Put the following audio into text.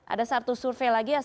ada satu survei lagi